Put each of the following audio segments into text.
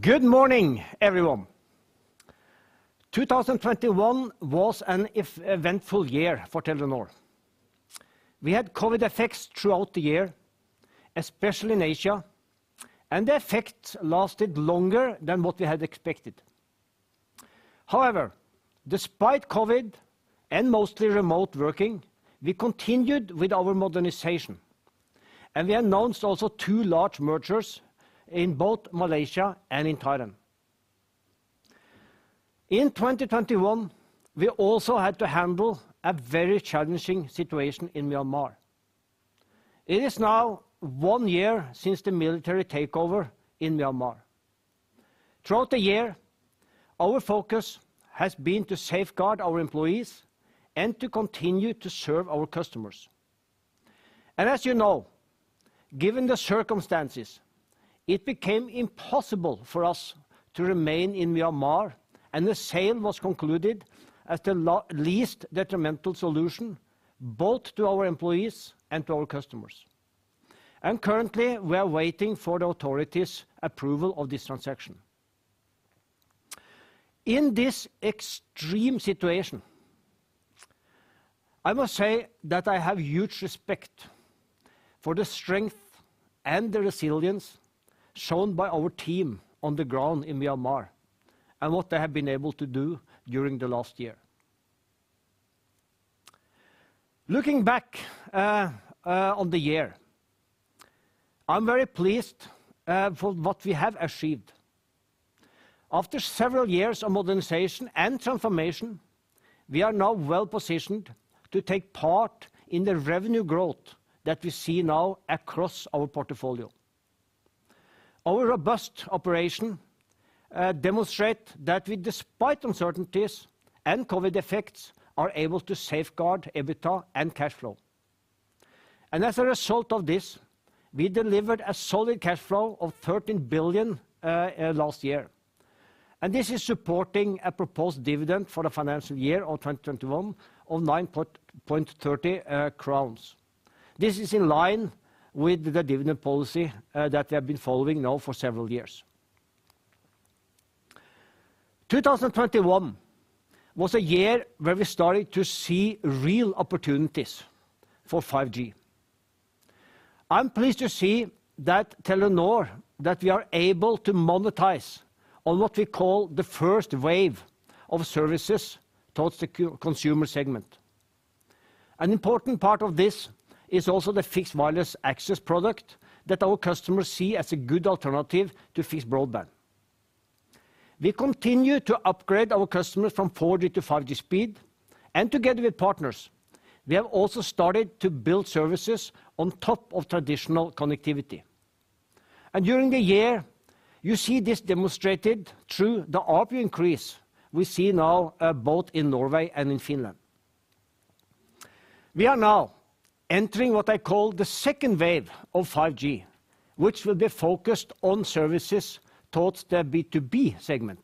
Good morning, everyone. 2021 was an eventful year for Telenor. We had COVID effects throughout the year, especially in Asia, and the effects lasted longer than what we had expected. However, despite COVID and mostly remote working, we continued with our modernization, and we announced also two large mergers in both Malaysia and in Thailand. In 2021, we also had to handle a very challenging situation in Myanmar. It is now one year since the military takeover in Myanmar. Throughout the year, our focus has been to safeguard our employees and to continue to serve our customers. As you know, given the circumstances, it became impossible for us to remain in Myanmar, and the sale was concluded as the least detrimental solution both to our employees and to our customers. Currently, we are waiting for the authorities' approval of this transaction. In this extreme situation, I must say that I have huge respect for the strength and the resilience shown by our team on the ground in Myanmar and what they have been able to do during the last year. Looking back on the year, I'm very pleased for what we have achieved. After several years of modernization and transformation, we are now well-positioned to take part in the revenue growth that we see now across our portfolio. Our robust operation demonstrate that we despite uncertainties and COVID effects are able to safeguard EBITDA and cash flow. As a result of this, we delivered a solid cash flow of 13 billion last year, and this is supporting a proposed dividend for the financial year of 2021 of 9.30 crowns. This is in line with the dividend policy that we have been following now for several years. 2021 was a year where we started to see real opportunities for 5G. I'm pleased to see that Telenor, that we are able to monetize on what we call the first wave of services towards the consumer segment. An important part of this is also the Fixed Wireless Access product that our customers see as a good alternative to fixed broadband. We continue to upgrade our customers from 4G to 5G speed, and together with partners, we have also started to build services on top of traditional connectivity. During the year, you see this demonstrated through the ARPU increase we see now both in Norway and in Finland. We are now entering what I call the second wave of 5G, which will be focused on services towards the B2B segment.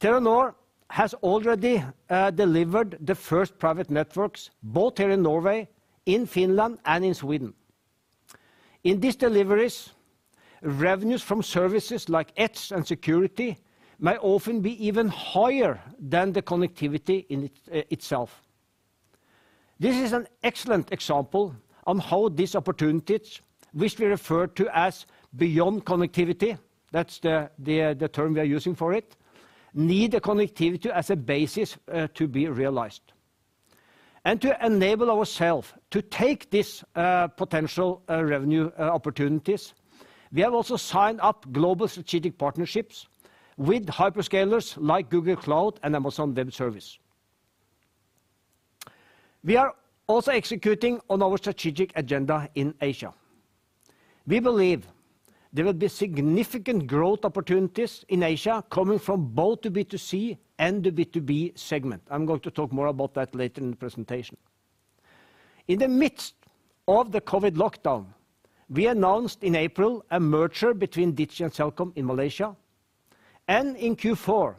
Telenor has already delivered the first private networks both here in Norway, in Finland, and in Sweden. In these deliveries, revenues from services like Edge and security may often be even higher than the connectivity in itself. This is an excellent example on how these opportunities, which we refer to as Beyond Connectivity, that's the term we are using for it, need connectivity as a basis to be realized. To enable ourselves to take this potential revenue opportunities, we have also signed up global strategic partnerships with hyperscalers like Google Cloud and Amazon Web Services. We are also executing on our strategic agenda in Asia. We believe there will be significant growth opportunities in Asia coming from both the B2C and the B2B segment. I'm going to talk more about that later in the presentation. In the midst of the COVID lockdown, we announced in April a merger between Digi and Celcom in Malaysia. In Q4,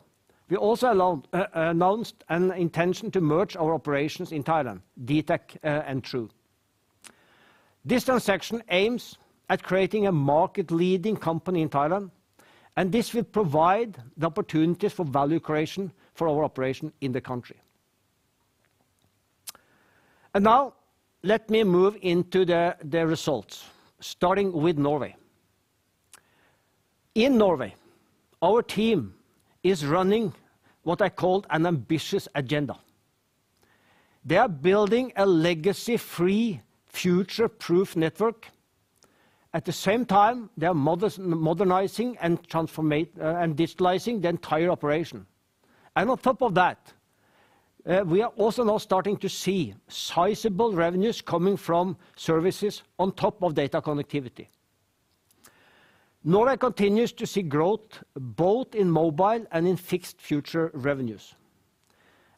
we also announced an intention to merge our operations in Thailand, dtac, and True. This transaction aims at creating a market-leading company in Thailand, and this will provide the opportunities for value creation for our operation in the country. Now let me move into the results, starting with Norway. In Norway, our team is running what I call an ambitious agenda. They are building a legacy-free future-proof network. At the same time, they are modernizing and transforming and digitalizing the entire operation. On top of that, we are also now starting to see sizable revenues coming from services on top of data connectivity. Norway continues to see growth both in mobile and in fixed fiber revenues.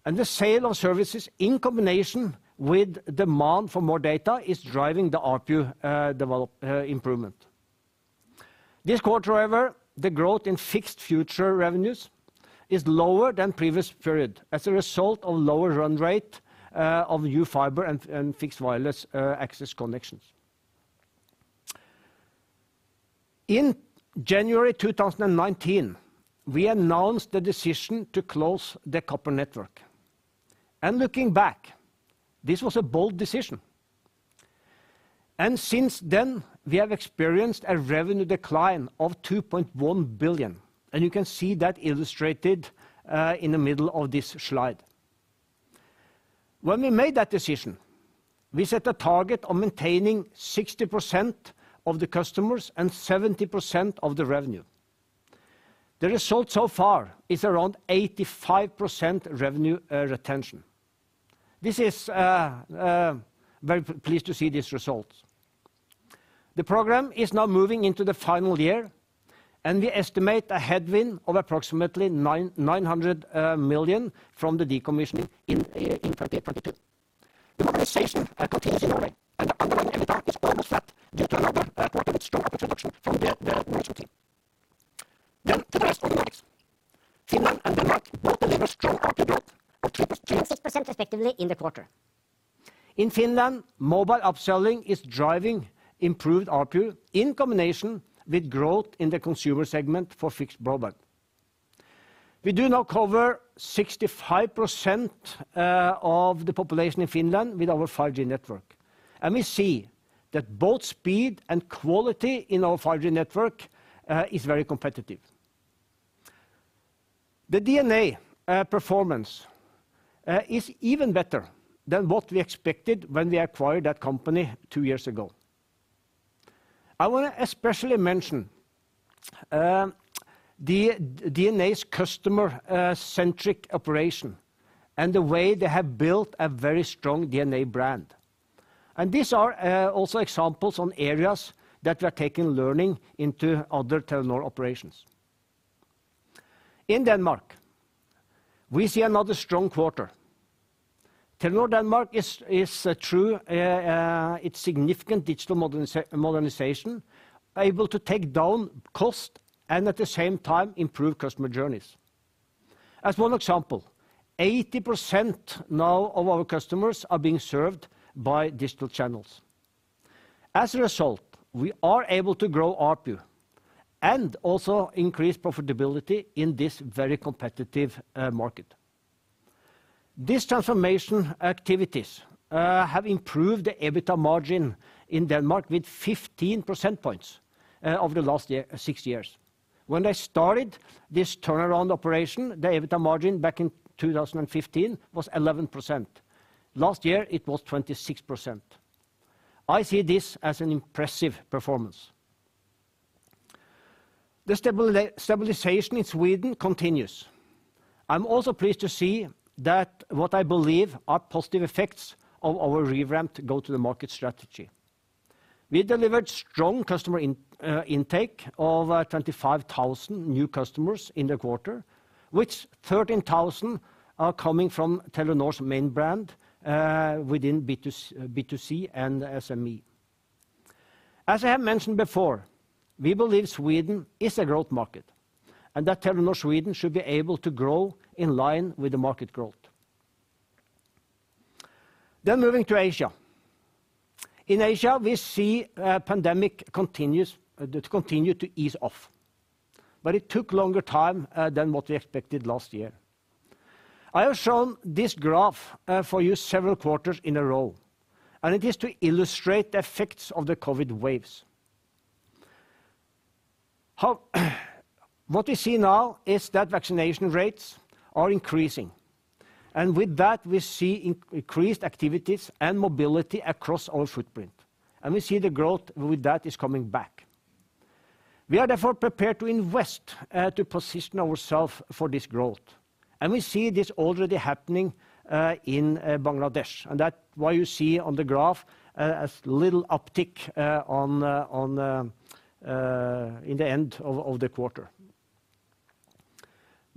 The sale of services in combination with demand for more data is driving the ARPU improvement. This quarter, however, the growth in fixed fiber revenues is lower than previous period as a result of lower run rate of new fiber and fixed-wireless access connections. In January 2019, we announced the decision to close the copper network. Looking back, this was a bold decision. Since then, we have experienced a revenue decline of 2.1 billion, and you can see that illustrated in the middle of this slide. When we made that decision, we set a target of maintaining 60% of the customers and 70% of the revenue. The result so far is around 85% revenue retention. This is very pleased to see these results. The program is now moving into the final year, and we estimate a headwind of approximately 900 million from the decommissioning in 2022. The modernization continues in Norway, and the underlying EBITDA is almost flat due to another quarter with strong output reduction from the management team. To the rest of the Nordics. Finland and Denmark both delivered strong ARPU growth of 3%-3% respectively in the quarter. In Finland, mobile upselling is driving improved ARPU in combination with growth in the consumer segment for fixed broadband. We do now cover 65% of the population in Finland with our 5G network, and we see that both speed and quality in our 5G network is very competitive. The DNA performance is even better than what we expected when we acquired that company two years ago. I wanna especially mention the DNA's customer-centric operation and the way they have built a very strong DNA brand. These are also examples of areas that we are taking learning into other Telenor operations. In Denmark, we see another strong quarter. Telenor Denmark is truly its significant digital modernization able to take down costs and at the same time improve customer journeys. As one example, 80% now of our customers are being served by digital channels. As a result, we are able to grow ARPU and also increase profitability in this very competitive market. These transformation activities have improved the EBITDA margin in Denmark with 15 percentage points over the last six years. When I started this turnaround operation, the EBITDA margin back in 2015 was 11%. Last year it was 26%. I see this as an impressive performance. The stabilization in Sweden continues. I'm also pleased to see that what I believe are positive effects of our revamped go-to-market strategy. We delivered strong customer intake of 25,000 new customers in the quarter, which 13,000 are coming from Telenor's main brand within B2C and SME. As I have mentioned before, we believe Sweden is a growth market, and that Telenor Sweden should be able to grow in line with the market growth. Moving to Asia. In Asia, we see pandemic continues to continue to ease off, but it took longer time than what we expected last year. I have shown this graph for you several quarters in a row, and it is to illustrate the effects of the COVID waves. What we see now is that vaccination rates are increasing, and with that we see increased activities and mobility across our footprint, and we see the growth with that is coming back. We are therefore prepared to invest to position ourselves for this growth, and we see this already happening in Bangladesh. That's why you see on the graph, a little uptick in the end of the quarter.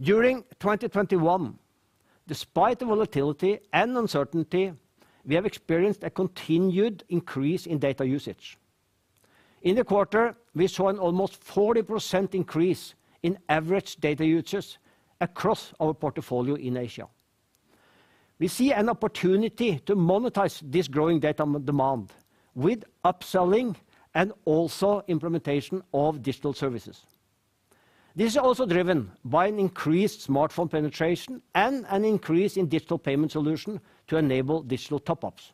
During 2021, despite the volatility and uncertainty, we have experienced a continued increase in data usage. In the quarter, we saw an almost 40% increase in average data usage across our portfolio in Asia. We see an opportunity to monetize this growing data demand with upselling and also implementation of digital services. This is also driven by an increased smartphone penetration and an increase in digital payment solution to enable digital top-ups.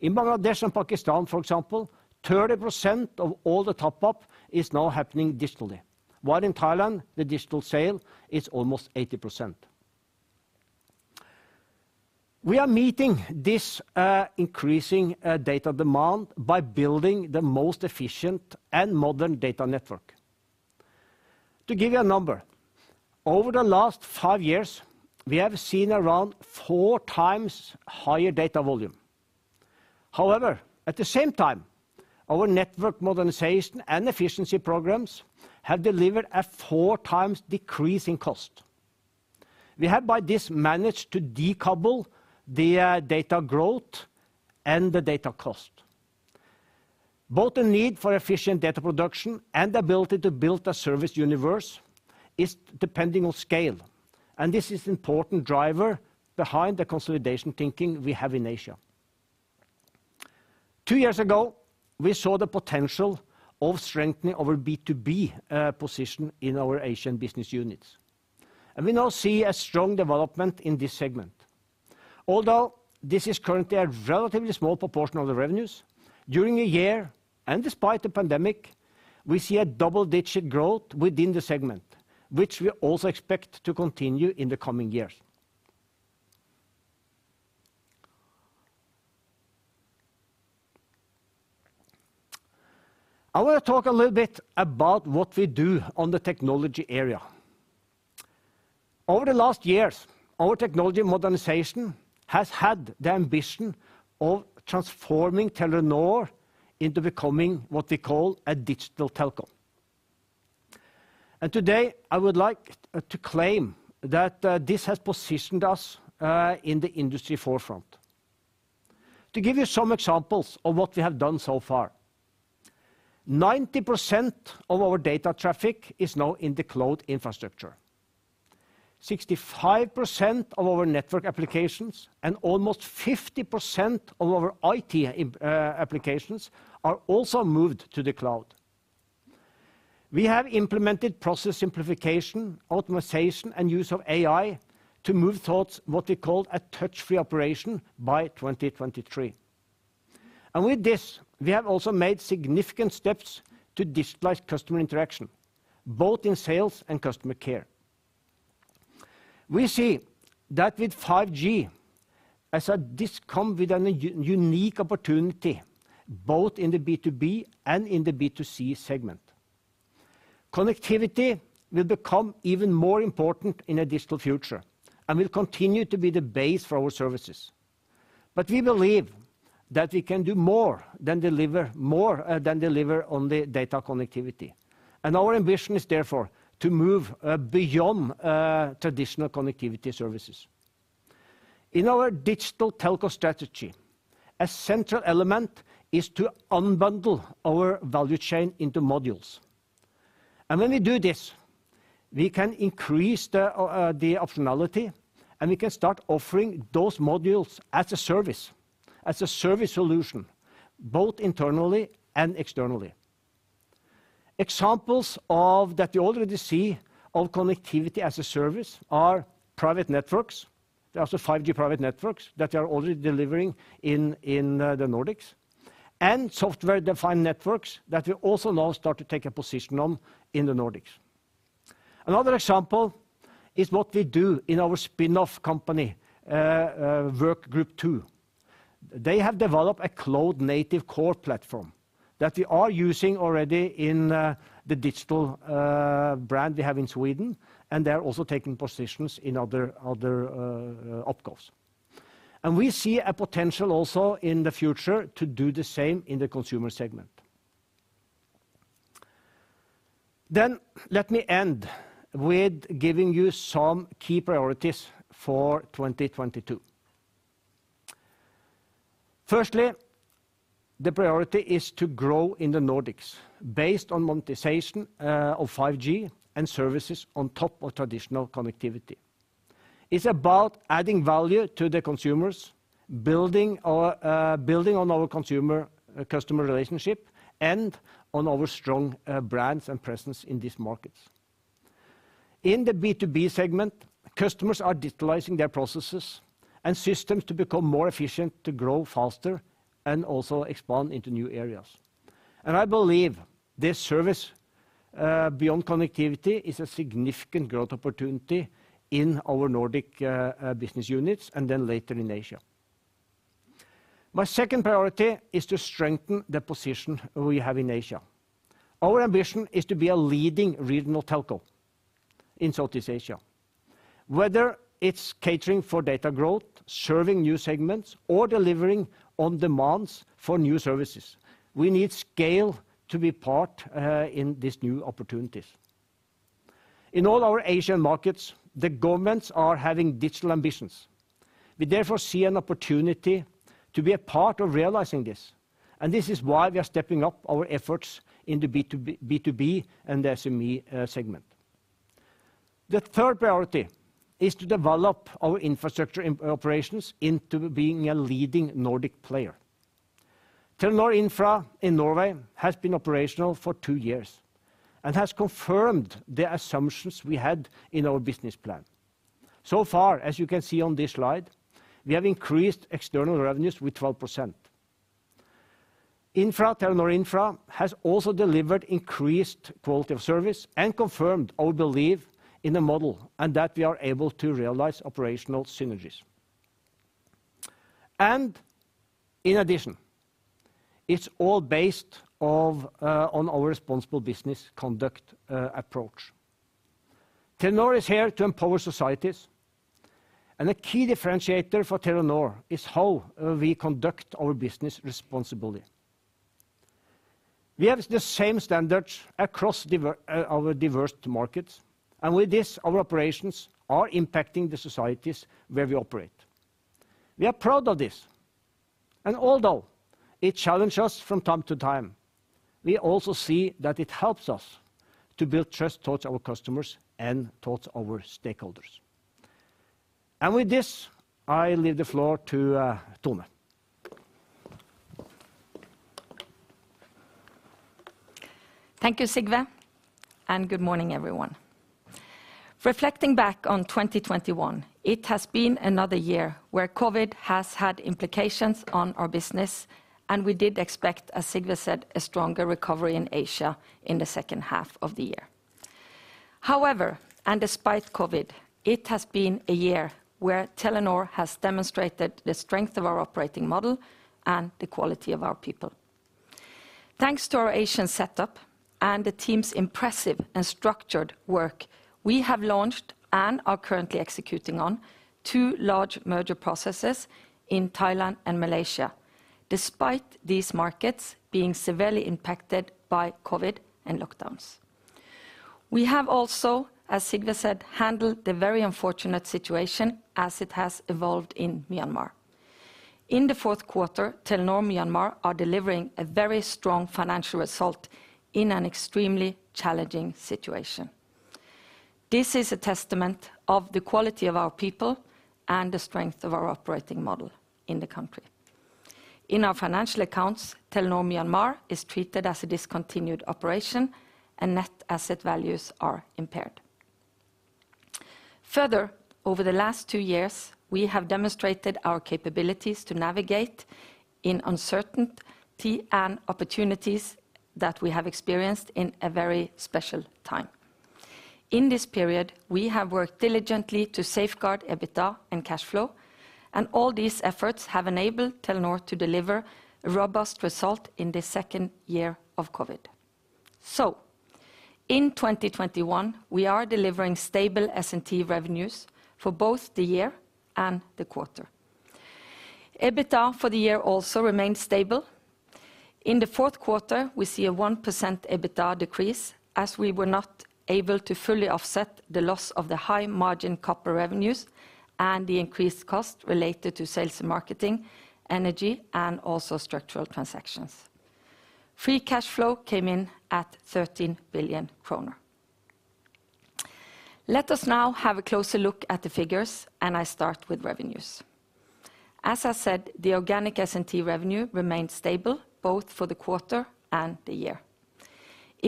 In Bangladesh and Pakistan, for example, 30% of all the top-up is now happening digitally, while in Thailand, the digital sale is almost 80%. We are meeting this increasing data demand by building the most efficient and modern data network. To give you a number, over the last five years, we have seen around four times higher data volume. However, at the same time, our network modernization and efficiency programs have delivered a four times decrease in cost. We have by this managed to decouple the data growth and the data cost. Both the need for efficient data production and ability to build a service universe is depending on scale, and this is important driver behind the consolidation thinking we have in Asia. Two years ago, we saw the potential of strengthening our B2B position in our Asian business units, and we now see a strong development in this segment. Although this is currently a relatively small proportion of the revenues, during the year, and despite the pandemic, we see a double-digit growth within the segment, which we also expect to continue in the coming years. I wanna talk a little bit about what we do on the technology area. Over the last years, our technology modernization has had the ambition of transforming Telenor into becoming what we call a Digital Telco. Today, I would like to claim that this has positioned us in the industry forefront. To give you some examples of what we have done so far, 90% of our data traffic is now in the cloud infrastructure. 65% of our network applications and almost 50% of our IT applications are also moved to the cloud. We have implemented process simplification, optimization, and use of AI to move towards what we call a touch-free operation by 2023. With this, we have also made significant steps to digitalize customer interaction, both in sales and customer care. We see that with 5G as a. This comes with a unique opportunity both in the B2B and in the B2C segment. Connectivity will become even more important in a digital future and will continue to be the base for our services. We believe that we can do more than deliver on the data connectivity. Our ambition is therefore to move beyond traditional connectivity services. In our Digital Telco strategy, a central element is to unbundle our value chain into modules. When we do this, we can increase the optionality, and we can start offering those modules as a service solution, both internally and externally. Examples of that you already see of connectivity as a service are private networks. There are also 5G private networks that are already delivering in the Nordics, and Software-Defined Networks that will also now start to take a position on in the Nordics. Another example is what we do in our spin-off company, Working Group Two. They have developed a cloud-native core platform that we are using already in the digital brand we have in Sweden, and they are also taking positions in other opcos. We see a potential also in the future to do the same in the consumer segment. Let me end with giving you some key priorities for 2022. Firstly, the priority is to grow in the Nordics based on monetization of 5G and services on top of traditional connectivity. It's about adding value to the consumers, building on our customer relationship and on our strong brands and presence in these markets. In the B2B segment, customers are digitalizing their processes and systems to become more efficient, to grow faster, and also expand into new areas. I believe this service, Beyond Connectivity, is a significant growth opportunity in our Nordic business units and then later in Asia. My second priority is to strengthen the position we have in Asia. Our ambition is to be a leading regional telco in Southeast Asia. Whether it's catering for data growth, serving new segments, or delivering on demands for new services, we need scale to be part in these new opportunities. In all our Asian markets, the governments are having digital ambitions. We therefore see an opportunity to be a part of realizing this, and this is why we are stepping up our efforts in the B2B and SME segment. The third priority is to develop our infrastructure and operations into being a leading Nordic player. Telenor Infra in Norway has been operational for two years and has confirmed the assumptions we had in our business plan. So far, as you can see on this slide, we have increased external revenues with 12%. Telenor Infra has also delivered increased quality of service and confirmed our belief in the model and that we are able to realize operational synergies. In addition, it's all based on our responsible business conduct approach. Telenor is here to empower societies, and a key differentiator for Telenor is how we conduct our business responsibly. We have the same standards across our diverse markets, and with this, our operations are impacting the societies where we operate. We are proud of this. Although it challenge us from time to time, we also see that it helps us to build trust towards our customers and towards our stakeholders. With this, I leave the floor to Tone. Thank you, Sigve, and good morning everyone. Reflecting back on 2021, it has been another year where COVID has had implications on our business, and we did expect, as Sigve said, a stronger recovery in Asia in the second half of the year. However, and despite COVID, it has been a year where Telenor has demonstrated the strength of our operating model and the quality of our people. Thanks to our Asian setup and the team's impressive and structured work, we have launched and are currently executing on two large merger processes in Thailand and Malaysia despite these markets being severely impacted by COVID and lockdowns. We have also, as Sigve said, handled the very unfortunate situation as it has evolved in Myanmar. In the fourth quarter, Telenor Myanmar are delivering a very strong financial result in an extremely challenging situation. This is a testament of the quality of our people and the strength of our operating model in the country. In our financial accounts, Telenor Myanmar is treated as a discontinued operation and net asset values are impaired. Further, over the last two years, we have demonstrated our capabilities to navigate in uncertainty and opportunities that we have experienced in a very special time. In this period, we have worked diligently to safeguard EBITDA and cash flow, and all these efforts have enabled Telenor to deliver robust results in the second year of COVID. In 2021, we are delivering stable S&T revenues for both the year and the quarter. EBITDA for the year also remains stable. In the fourth quarter, we see a 1% EBITDA decrease, as we were not able to fully offset the loss of the high margin copper revenues and the increased cost related to sales and marketing, energy, and also structural transactions. Free cash flow came in at 13 billion kroner. Let us now have a closer look at the figures, and I start with revenues. As I said, the organic S&T revenue remained stable both for the quarter and the year.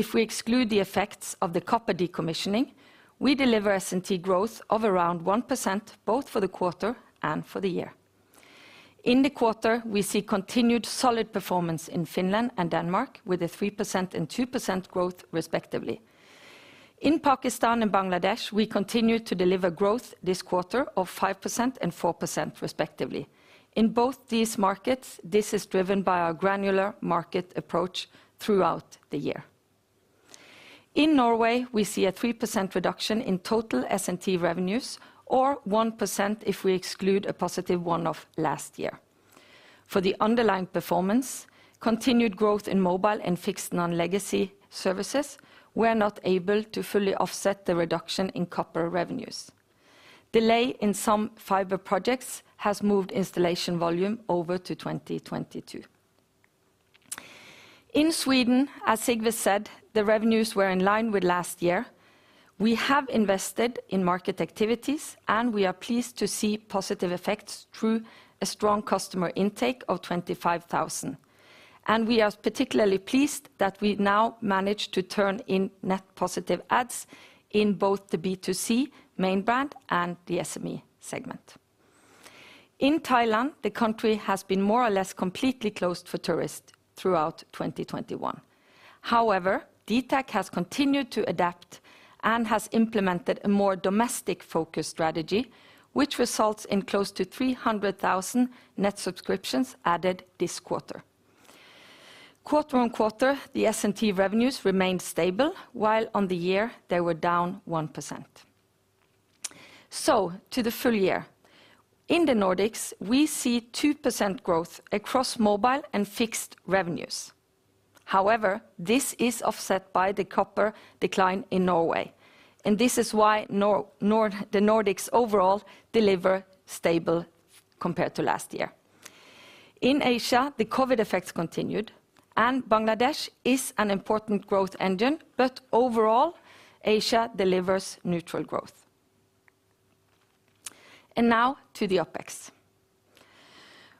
If we exclude the effects of the copper decommissioning, we deliver S&T growth of around 1%, both for the quarter and for the year. In the quarter, we see continued solid performance in Finland and Denmark with a 3% and 2% growth respectively. In Pakistan and Bangladesh, we continue to deliver growth this quarter of 5% and 4% respectively. In both these markets, this is driven by our granular market approach throughout the year. In Norway, we see a 3% reduction in total S&T revenues, or 1% if we exclude a positive one-off last year. For the underlying performance, continued growth in mobile and fixed non-legacy services were not able to fully offset the reduction in copper revenues. Delay in some fiber projects has moved installation volume over to 2022. In Sweden, as Sigve said, the revenues were in line with last year. We have invested in market activities, and we are pleased to see positive effects through a strong customer intake of 25,000. We are particularly pleased that we now manage to turn in net positive adds in both the B2C main brand and the SME segment. In Thailand, the country has been more or less completely closed for tourists throughout 2021. However, dtac has continued to adapt and has implemented a more domestic-focused strategy, which results in close to 300,000 net subscriptions added this quarter. Quarter on quarter, the S&T revenues remained stable, while on the year they were down 1%. To the full year, in the Nordics, we see 2% growth across mobile and fixed revenues. However, this is offset by the copper decline in Norway, and this is why the Nordics overall deliver stable compared to last year. In Asia, the COVID effects continued. Bangladesh is an important growth engine, but overall, Asia delivers neutral growth. Now to the OpEx.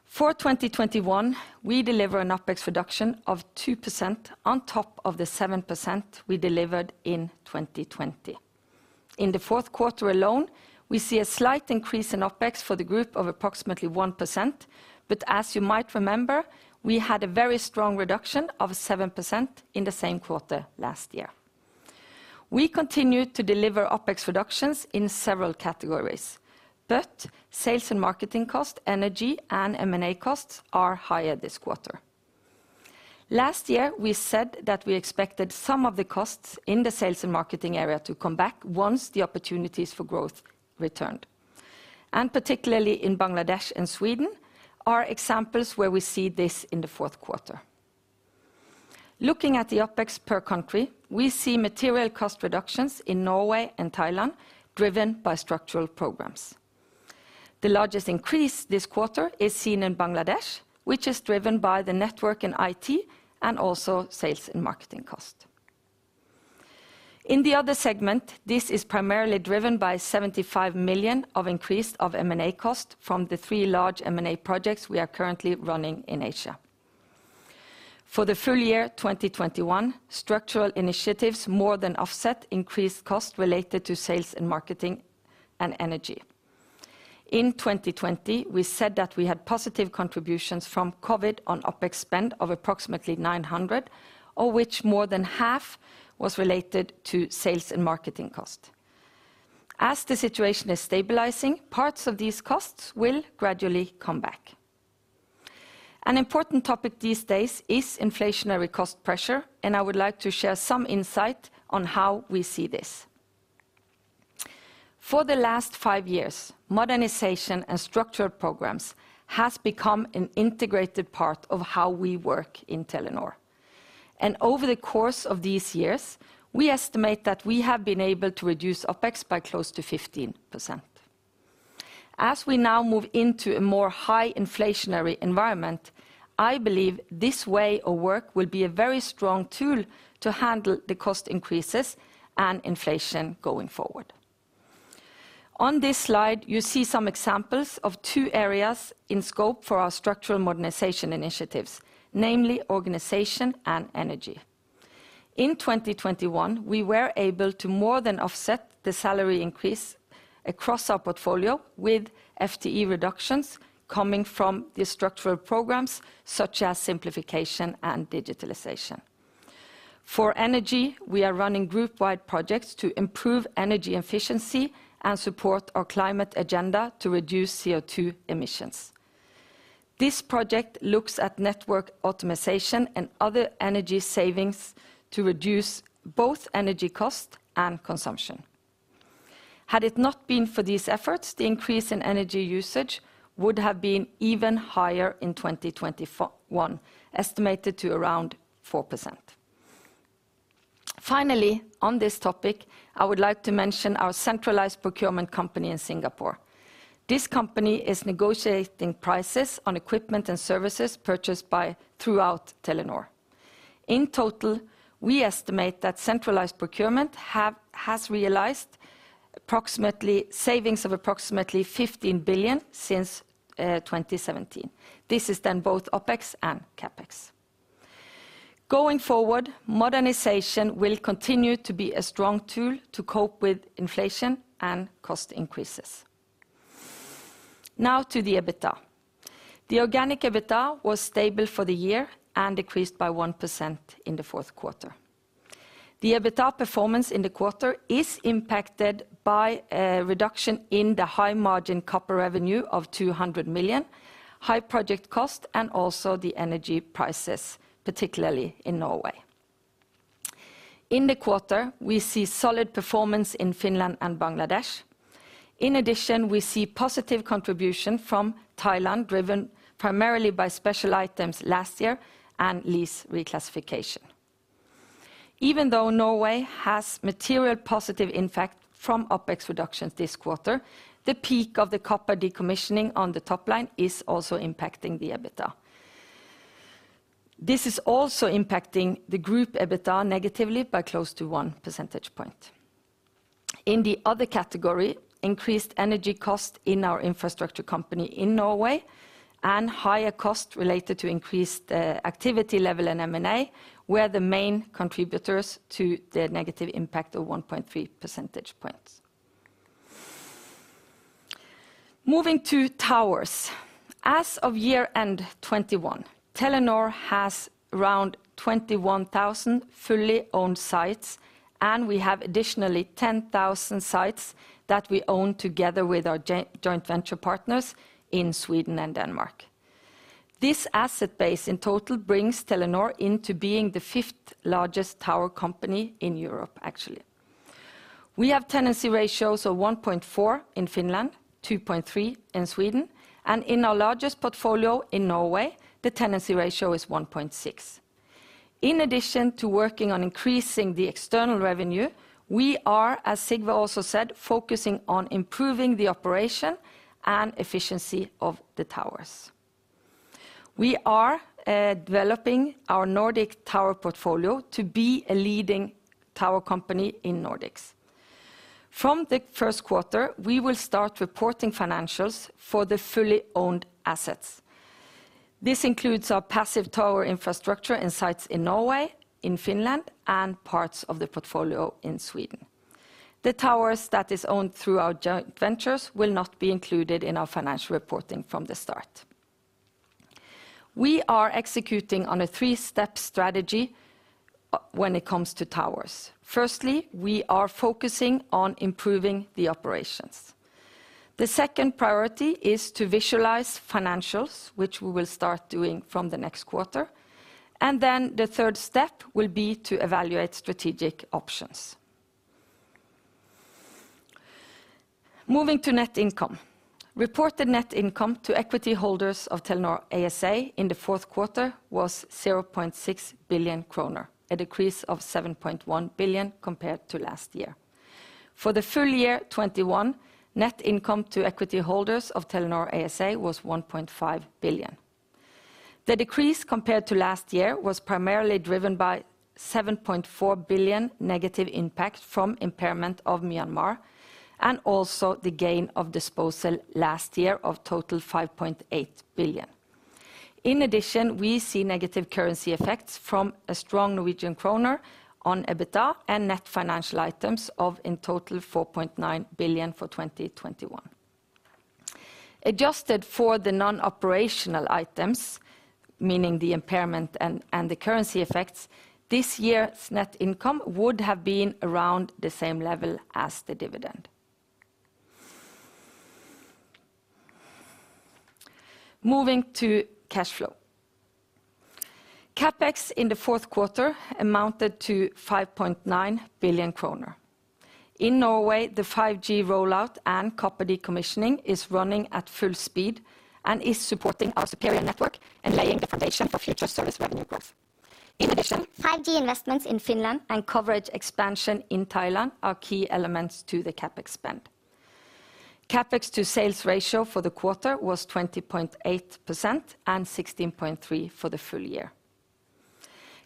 For 2021, we deliver an OpEx reduction of 2% on top of the 7% we delivered in 2020. In the fourth quarter alone, we see a slight increase in OpEx for the group of approximately 1%. As you might remember, we had a very strong reduction of 7% in the same quarter last year. We continued to deliver OpEx reductions in several categories, but sales and marketing cost, energy, and M&A costs are higher this quarter. Last year, we said that we expected some of the costs in the sales and marketing area to come back once the opportunities for growth returned. Particularly in Bangladesh and Sweden are examples where we see this in the fourth quarter. Looking at the OpEx per country, we see material cost reductions in Norway and Thailand driven by structural programs. The largest increase this quarter is seen in Bangladesh, which is driven by the network and IT, and also sales and marketing cost. In the other segment, this is primarily driven by 75 million of increase of M&A cost from the three large M&A projects we are currently running in Asia. For the full year 2021, structural initiatives more than offset increased cost related to sales and marketing and energy. In 2020, we said that we had positive contributions from COVID on OpEx spend of approximately 900 million, of which more than half was related to sales and marketing cost. As the situation is stabilizing, parts of these costs will gradually come back. An important topic these days is inflationary cost pressure, and I would like to share some insight on how we see this. For the last five years, modernization and structural programs has become an integrated part of how we work in Telenor. Over the course of these years, we estimate that we have been able to reduce OpEx by close to 15%. As we now move into a more high inflationary environment, I believe this way of work will be a very strong tool to handle the cost increases and inflation going forward. On this slide, you see some examples of two areas in scope for our structural modernization initiatives, namely organization and energy. In 2021, we were able to more than offset the salary increase across our portfolio with FTE reductions coming from the structural programs such as simplification and digitalization. For energy, we are running group-wide projects to improve energy efficiency and support our climate agenda to reduce CO2 emissions. This project looks at network optimization and other energy savings to reduce both energy cost and consumption. Had it not been for these efforts, the increase in energy usage would have been even higher in 2021, estimated to around 4%. Finally, on this topic, I would like to mention our centralized procurement company in Singapore. This company is negotiating prices on equipment and services purchased throughout Telenor. In total, we estimate that centralized procurement has realized savings of approximately 15 billion since 2017. This is then both OpEx and CapEx. Going forward, modernization will continue to be a strong tool to cope with inflation and cost increases. Now to the EBITDA. The organic EBITDA was stable for the year and decreased by 1% in the fourth quarter. The EBITDA performance in the quarter is impacted by a reduction in the high-margin copper revenue of 200 million, high project cost, and also the energy prices, particularly in Norway. In the quarter, we see solid performance in Finland and Bangladesh. In addition, we see positive contribution from Thailand, driven primarily by special items last year and lease reclassification. Even though Norway has material positive impact from OpEx reductions this quarter, the peak of the copper decommissioning on the top line is also impacting the EBITDA. This is also impacting the group EBITDA negatively by close to 1 percentage point. In the other category, increased energy cost in our infrastructure company in Norway and higher cost related to increased activity level in M&A were the main contributors to the negative impact of 1.3 percentage points. Moving to towers. As of year-end 2021, Telenor has around 21,000 fully owned sites, and we have additionally 10,000 sites that we own together with our joint venture partners in Sweden and Denmark. This asset base in total brings Telenor into being the fifth largest tower company in Europe, actually. We have tenancy ratios of 1.4 in Finland, 2.3 in Sweden, and in our largest portfolio in Norway, the tenancy ratio is 1.6. In addition to working on increasing the external revenue, we are, as Sigve also said, focusing on improving the operation and efficiency of the towers. We are developing our Nordic tower portfolio to be a leading tower company in Nordics. From the first quarter, we will start reporting financials for the fully owned assets. This includes our passive tower infrastructure and sites in Norway, in Finland, and parts of the portfolio in Sweden. The towers that is owned through our joint ventures will not be included in our financial reporting from the start. We are executing on a three-step strategy when it comes to towers. Firstly, we are focusing on improving the operations. The second priority is to visualize financials, which we will start doing from the next quarter. The third step will be to evaluate strategic options. Moving to net income. Reported net income to equity holders of Telenor ASA in the fourth quarter was 0.6 billion kroner, a decrease of 7.1 billion compared to last year. For the full year 2021, net income to equity holders of Telenor ASA was 1.5 billion. The decrease compared to last year was primarily driven by 7.4 billion negative impact from impairment of Myanmar, and also the gain on disposal last year of total 5.8 billion. In addition, we see negative currency effects from a strong Norwegian kroner on EBITDA and net financial items of in total 4.9 billion for 2021. Adjusted for the non-operational items, meaning the impairment and the currency effects, this year's net income would have been around the same level as the dividend. Moving to cash flow. CapEx in the fourth quarter amounted to 5.9 billion kroner. In Norway, the 5G rollout and copper decommissioning is running at full speed and is supporting our superior network and laying the foundation for future service revenue growth. In addition, 5G investments in Finland and coverage expansion in Thailand are key elements to the CapEx spend. CapEx to sales ratio for the quarter was 20.8% and 16.3% for the full year.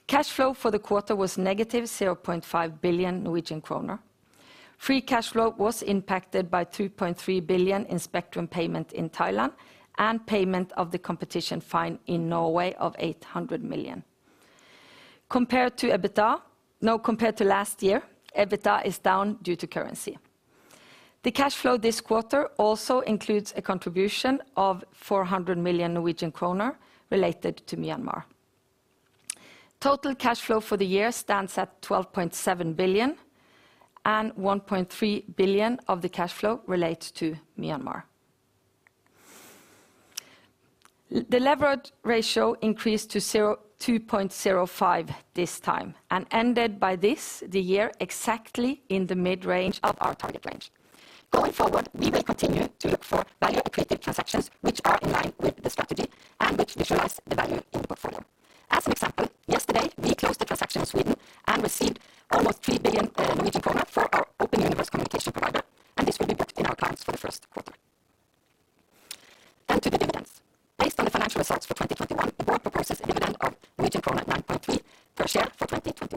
Cash flow for the quarter was -0.5 billion Norwegian kroner. Free cash flow was impacted by 2.3 billion in spectrum payment in Thailand and payment of the competition fine in Norway of 800 million. Compared to last year, EBITDA is down due to currency. The cash flow this quarter also includes a contribution of 400 million Norwegian kroner related to Myanmar. Total cash flow for the year stands at 12.7 billion, and 1.3 billion of the cash flow relates to Myanmar. The leverage ratio increased to 2.05 this time, and ended this year exactly in the mid-range of our target range. Going forward, we will continue to look for value-accretive transactions which are in line with the strategy and which realize the value in the portfolio. As an example, yesterday, we closed the transaction in Sweden and received almost 3 billion for our Open Universe communication provider, and this will be booked in our P&L for the first quarter. To the dividends. Based on the financial results for 2021, the board proposes a dividend of 9.3 per share for 2021.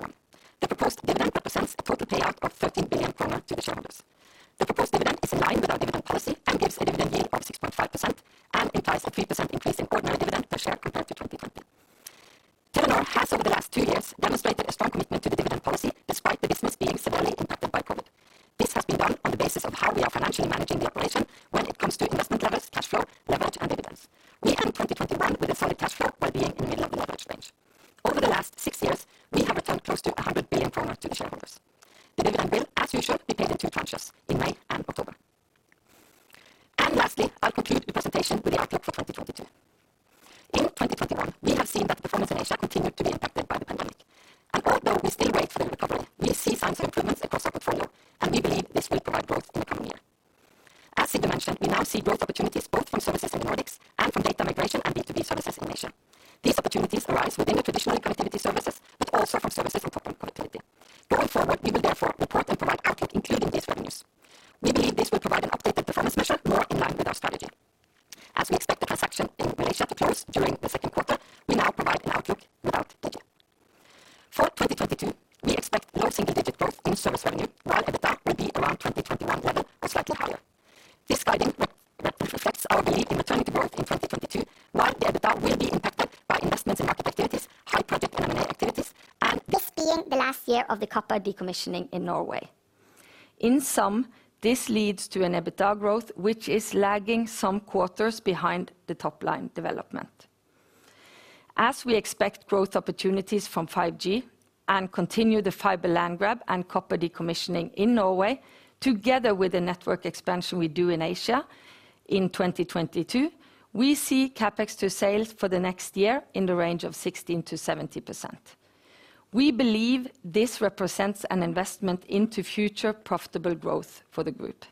We believe this represents an investment into future profitable growth for the group.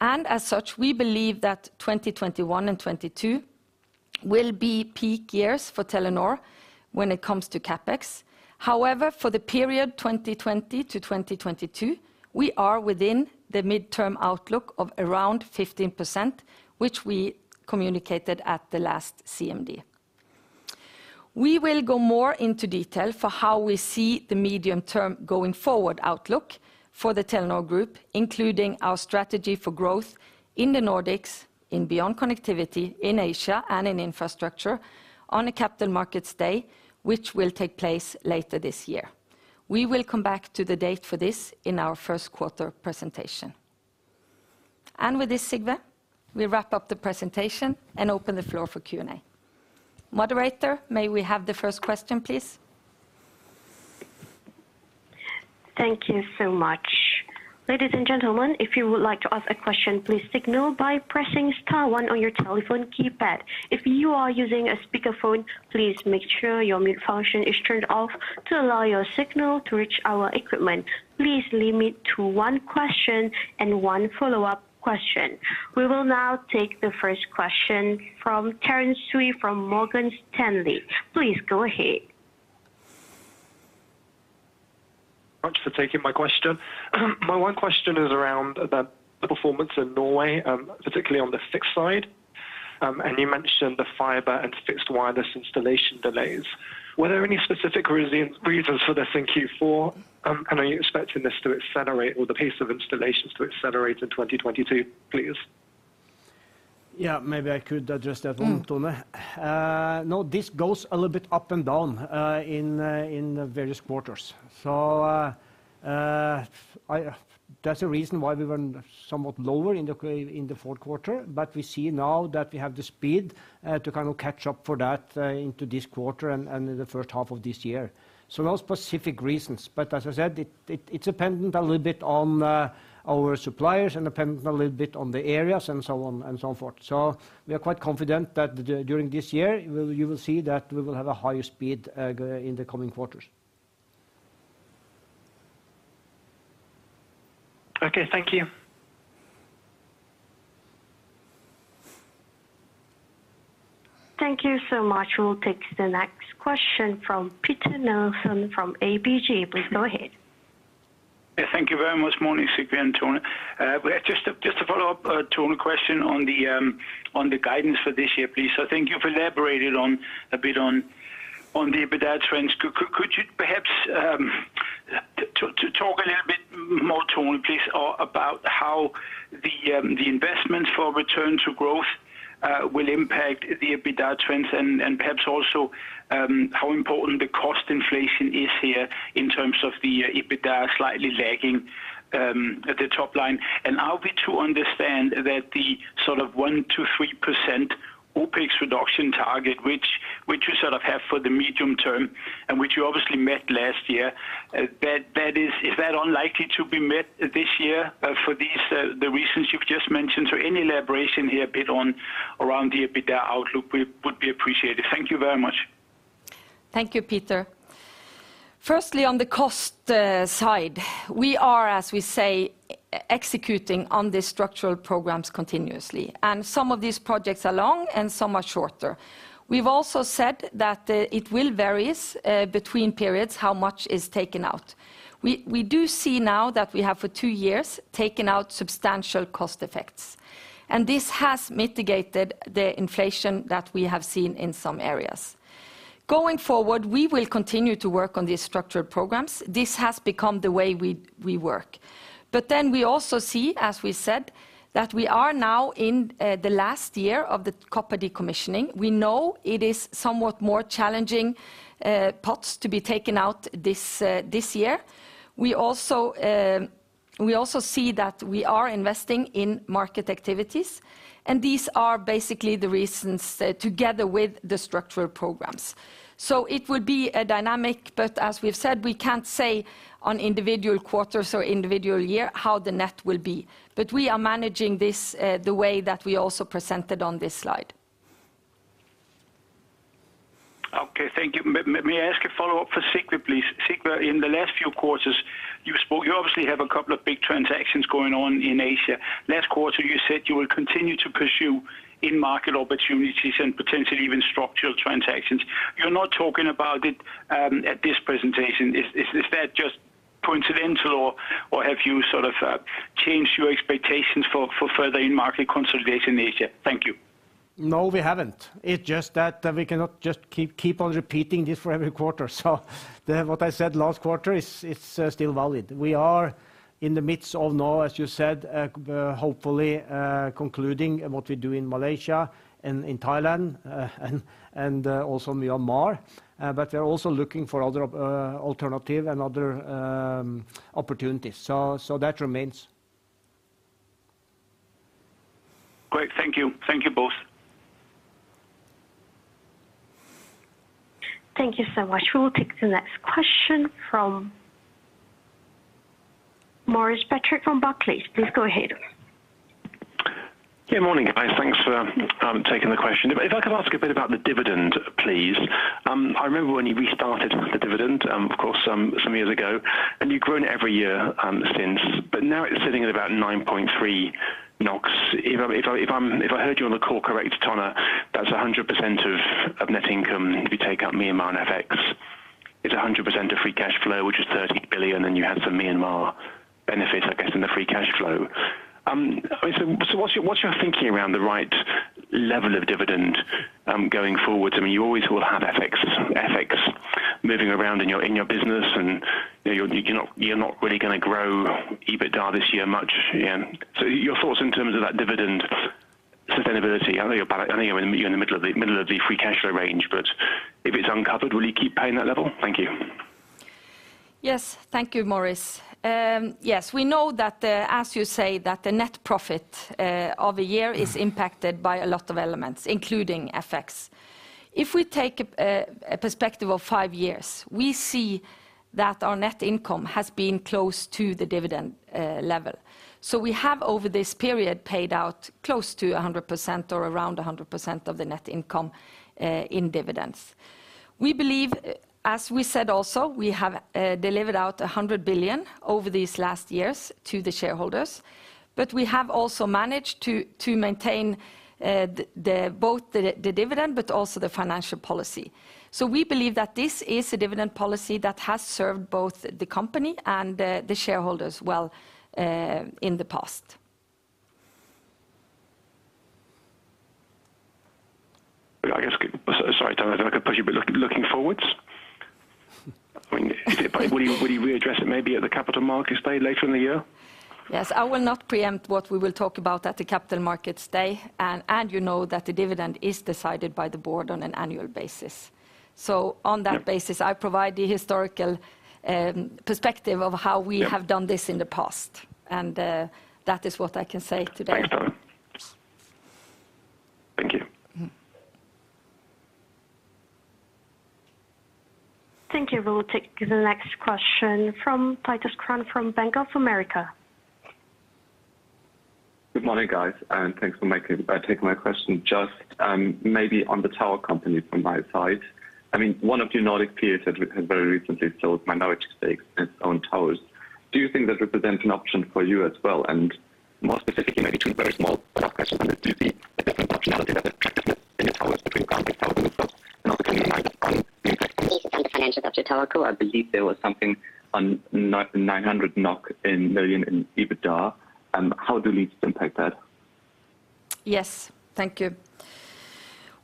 As such, we believe that 2021 and 2022 will be peak years for Telenor when it comes to CapEx. However, for the period 2020-2022, we are within the midterm outlook of around 15%, which we communicated at the last CMD. We will go more into detail for how we see the medium-term going forward outlook for the Telenor Group, including our strategy for growth in the Nordics, in Beyond Connectivity, in Asia, and in Infrastructure on a Capital Markets Day which will take place later this year. We will come back to the date for this in our first quarter presentation. With this, Sigve, we wrap up the presentation and open the floor for Q&A. Moderator, may we have the first question, please? Thank you so much. Ladies and gentlemen, if you would like to ask a question, please signal by pressing star one on your telephone keypad. If you are using a speakerphone, please make sure your mute function is turned off to allow your signal to reach our equipment. Please limit to one question and one follow-up question. We will now take the first question from Terence Tsui from Morgan Stanley. Please go ahead. Thanks for taking my question. My one question is around about the performance in Norway, particularly on the fixed side. You mentioned the fiber and fixed wireless installation delays. Were there any specific reasons for this in Q4? Are you expecting this to accelerate or the pace of installations to accelerate in 2022, please? Yeah, maybe I could address that one, Tone. No, this goes a little bit up and down in various quarters. That's the reason why we went somewhat lower in the fourth quarter, but we see now that we have the speed to kind of catch up for that into this quarter and in the first half of this year. No specific reasons, but as I said, it's dependent a little bit on our suppliers and dependent a little bit on the areas and so on and so forth. We are quite confident that during this year, you will see that we will have a higher speed in the coming quarters. Okay, thank you. Thank you so much. We'll take the next question from Peter Kurt Nielsen from ABG. Please go ahead. Yeah, thank you very much. Morning, Sigve and Tone. We have just a follow-up, Tone, question on the guidance for this year, please. I think you've elaborated a bit on the EBITDA trends. Could you perhaps talk a little bit more, Tone, please about how the investments for return to growth will impact the EBITDA trends and perhaps also how important the cost inflation is here in terms of the EBITDA slightly lagging at the top line? Are we to understand that the sort of 1%-3% OpEx reduction target which you sort of have for the medium term and which you obviously met last year, that is... Is that unlikely to be met this year, for these, the reasons you've just mentioned? Any elaboration here a bit on around the EBITDA outlook would be appreciated. Thank you very much. Thank you, Peter. Firstly, on the cost side, we are, as we say, executing on the structural programs continuously, and some of these projects are long and some are shorter. We've also said that it will vary between periods how much is taken out. We do see now that we have for two years taken out substantial cost effects, and this has mitigated the inflation that we have seen in some areas. Going forward, we will continue to work on these structural programs. This has become the way we work. We also see, as we said, that we are now in the last year of the copper decommissioning. We know it is somewhat more challenging costs to be taken out this year. We also see that we are investing We are in the midst of now, as you said, hopefully concluding what we do in Malaysia and in Thailand and also Myanmar. We're also looking for other alternative and other opportunities. That remains. Great. Thank you. Thank you both. Thank you so much. We will take the next question from Maurice Patrick from Barclays. Please go ahead. Yeah, morning, guys. Thanks for taking the question. If I could ask a bit about the dividend, please. I remember when you restarted the dividend, of course some years ago, and you've grown every year since. Now it's sitting at about 9.3 NOK. If I heard you on the call correct, Tone, that's 100% of net income if you take out Myanmar and FX. It's 100% of free cash flow, which is 30 billion, and you had some Myanmar benefits, I guess, in the free cash flow. I mean, what's your thinking around the right level of dividend going forward? I mean, you always will have FX moving around in your business, and you know, you're not really gonna grow EBITDA this year much. Your thoughts in terms of that dividend sustainability. I know you're in the middle of the free cash flow range, but if it's uncovered, will you keep paying that level? and the rooftops? Also, can you remind us on the effects on the financials of your tower co? I believe there was something on 900 million NOK in EBITDA. How do leases impact that? Yes. Thank you.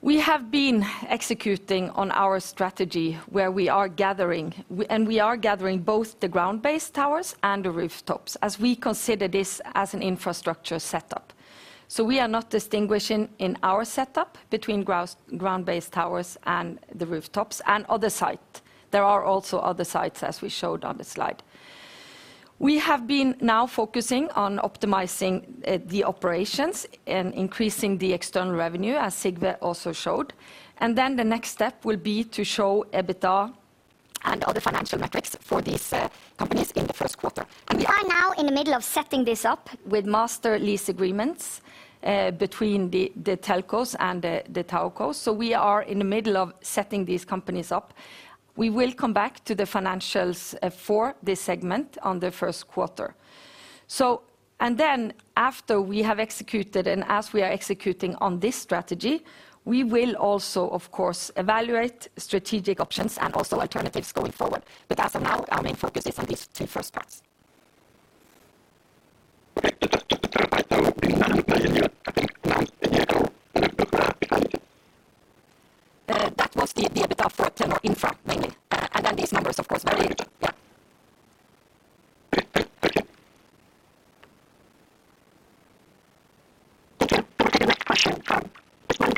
We have been executing on our strategy where we are gathering both the ground-based towers and the rooftops, as we consider this as an infrastructure setup. We are not distinguishing in our setup between ground-based towers and the rooftops and other site. There are also other sites, as we showed on the slide. We have been now focusing on optimizing the operations and increasing the external revenue, as Sigve also showed. The next step will be to show EBITDA and other financial metrics for these companies in the first quarter. We are now in the middle of setting this up with master lease agreements between the telcos and the towercos. We are in the middle of setting these companies up. We will come back to the financials, for this segment on the first quarter. After we have executed and as we are executing on this strategy, we will also, of course, evaluate strategic options and also alternatives going forward. As of now, our main focus is on these two first parts. Okay. Just to clarify, Tone, the NOK 900 million you, I think, announced a year ago, is that before or behind you? That was the EBITDA for Telenor Infra mainly. These numbers, of course, very little. Yeah. Okay. Thank you. Thank you. We'll take the next question from Usman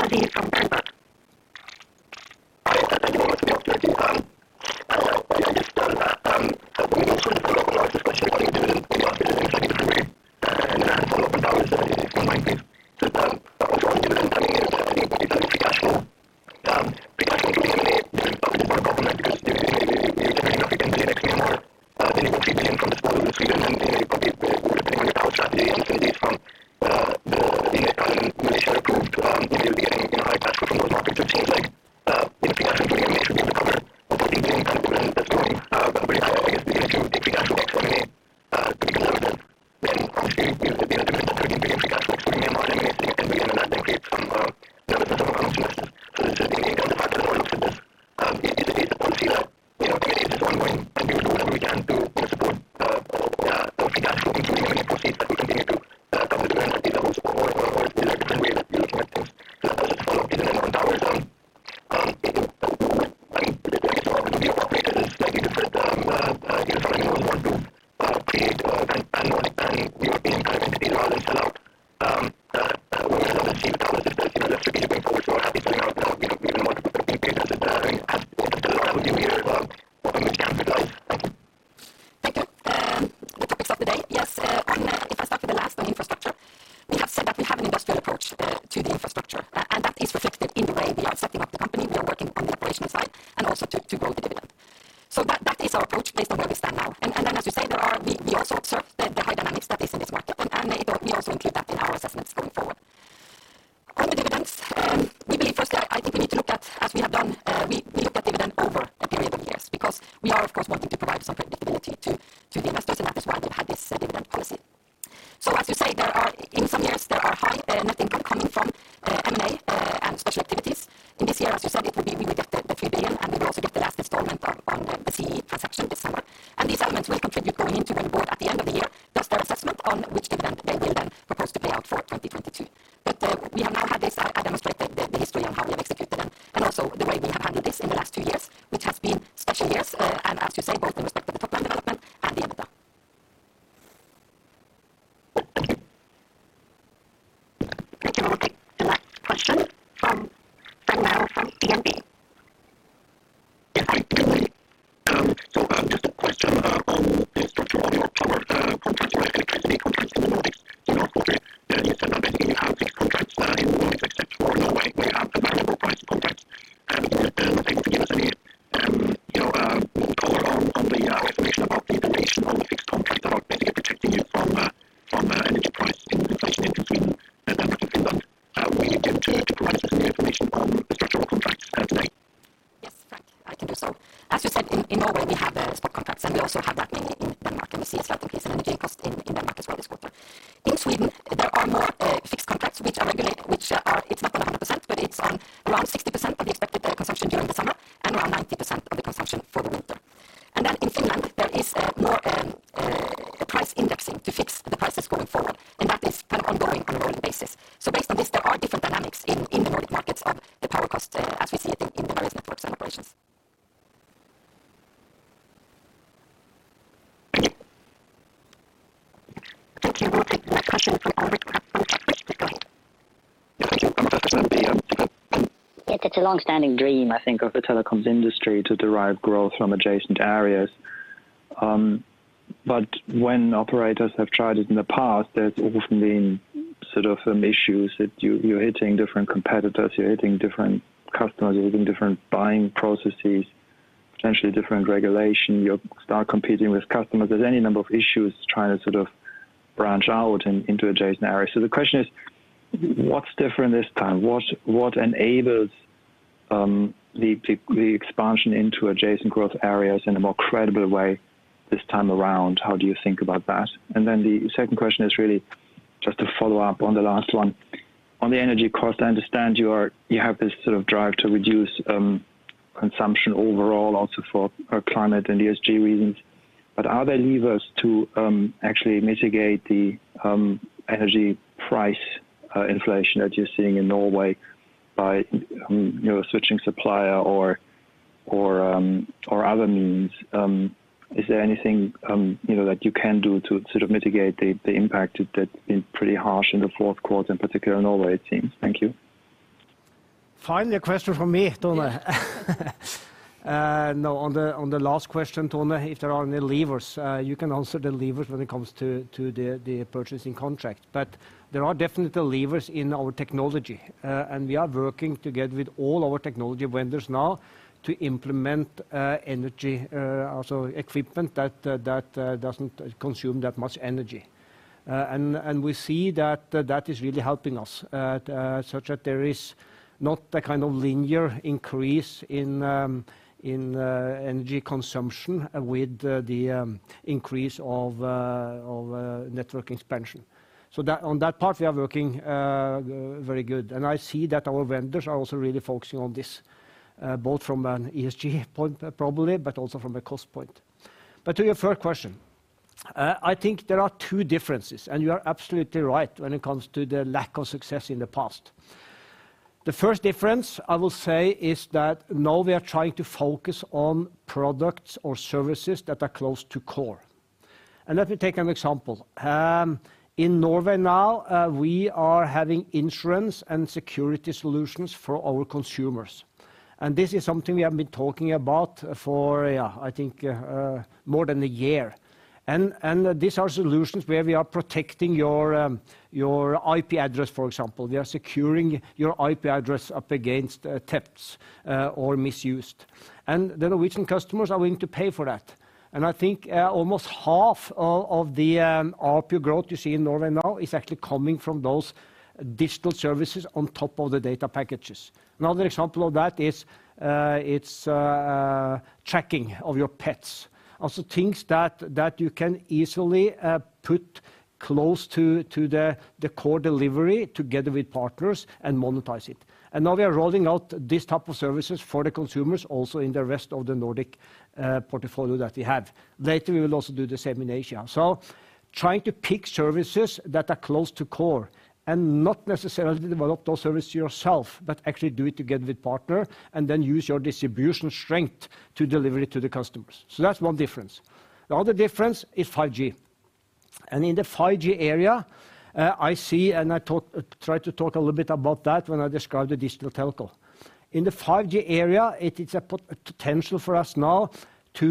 the expansion into adjacent growth areas in a more credible way this time around? How do you think about that? The second question is really just a follow-up on the last one. On the energy cost, I understand you have this sort of drive to reduce consumption overall also for climate and ESG reasons. Are there levers to actually mitigate the energy price inflation that you're seeing in Norway by you know switching supplier or or other means? Is there anything you know that you can do to sort of mitigate the impact that's been pretty harsh in the fourth quarter in particular Norway it seems? Thank you. Finally, a question from me, Tone. On the last question, Tone, if there are any levers, you can answer the levers when it comes to the purchasing contract. There are definitely levers in our technology. We are working together with all our technology vendors now to implement energy also equipment that doesn't consume that much energy. We see that that is really helping us such that there is not a kind of linear increase in energy consumption with the increase of network expansion. That on that part, we are working very good. I see that our vendors are also really focusing on this both from an ESG point probably, but also from a cost point. To your first question, I think there are two differences, and you are absolutely right when it comes to the lack of success in the past. The first difference I will say is that now we are trying to focus on products or services that are close to core. Let me take an example. In Norway now, we are having insurance and security solutions for our consumers, and this is something we have been talking about for, I think, more than a year. These are solutions where we are protecting your IP address, for example. We are securing your IP address up against attempts or misuse. The Norwegian customers are willing to pay for that. I think almost half of the ARPU growth you see in Norway now is actually coming from those digital services on top of the data packages. Another example of that is it's tracking of your pets. Also things that you can easily put close to the core delivery together with partners and monetize it. Now we are rolling out these type of services for the consumers also in the rest of the Nordic portfolio that we have. Later, we will also do the same in Asia. Trying to pick services that are close to core and not necessarily develop those services yourself, but actually do it together with partner and then use your distribution strength to deliver it to the customers. That's one difference. The other difference is 5G. In the 5G area, I tried to talk a little bit about that when I described the digital telco. In the 5G area it is a potential for us now to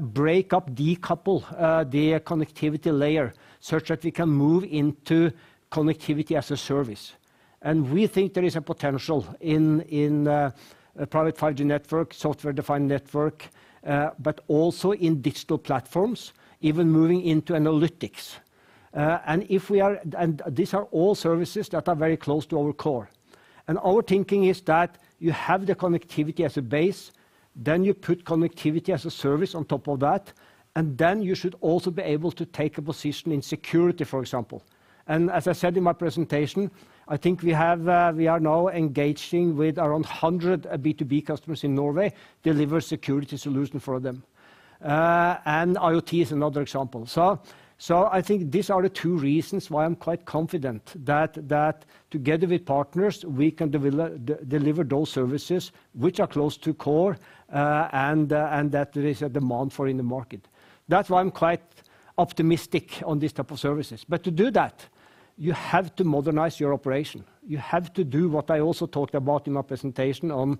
break up, decouple, the connectivity layer such that we can move into connectivity as a service. We think there is a potential in private 5G network, software-defined network, but also in digital platforms, even moving into analytics. These are all services that are very close to our core. Our thinking is that you have the connectivity as a base, then you put connectivity as a service on top of that, and then you should also be able to take a position in security, for example. As I said in my presentation, I think we are now engaging with around 100 B2B customers in Norway, deliver security solution for them. IoT is another example. I think these are the two reasons why I'm quite confident that together with partners we can deliver those services which are close to core, and that there is a demand for in the market. That's why I'm quite optimistic on these type of services. To do that, you have to modernize your operation. You have to do what I also talked about in my presentation on